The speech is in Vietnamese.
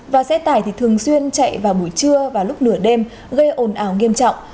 và xe tải thì thường xuyên chạy vào buổi trưa và lúc nửa đêm gây ồn ào nghiêm trọng